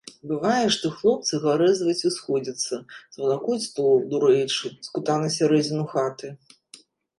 Бывае, што хлопцы гарэзаваць усходзяцца, звалакуць стол, дурэючы, з кута на сярэдзіну хаты.